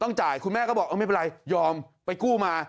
จ่ายคุณแม่ก็บอกไม่เป็นไรยอมไปกู้มา